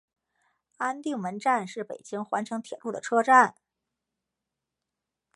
安定门站是北京环城铁路的车站。